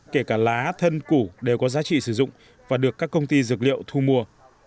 cây đinh lăng được các công ty sử dụng và được các công ty dược liệu thu mua